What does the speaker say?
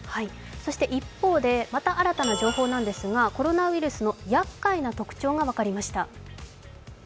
そして一方でまた新たな情報なんですが、コロナウイルスのやっかいな特徴が分かりました。